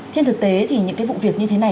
trên thực tế thì những cái vụ việc như thế này